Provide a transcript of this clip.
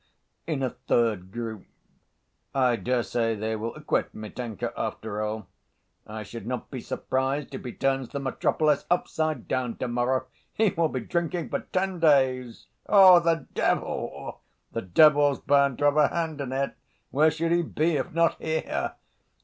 In a third group: "I dare say they will acquit Mitenka, after all." "I should not be surprised if he turns the 'Metropolis' upside down to‐ morrow. He will be drinking for ten days!" "Oh, the devil!" "The devil's bound to have a hand in it. Where should he be if not here?"